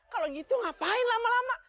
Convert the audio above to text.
kalau gitu ngapain lama lama